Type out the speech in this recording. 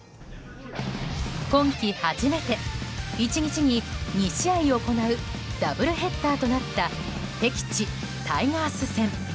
今季初めて１日に２試合行うダブルヘッダーとなった敵地タイガース戦。